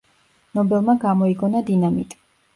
ნობელმა გამოიგონა დინამიტი.